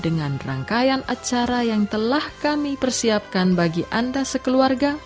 dengan rangkaian acara yang telah kami persiapkan bagi anda sekeluarga